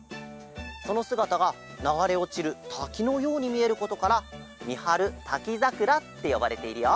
そのすがたがながれおちるたきのようにみえることからみはるたきざくらってよばれているよ。